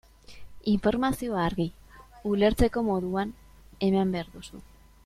Informazioa argi, ulertzeko moduan, eman behar duzu.